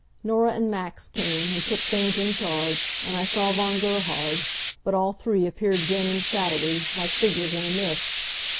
Norah and Max came, and took things in charge, and I saw Von Gerhard, but all three appeared dim and shadowy, like figures in a mist.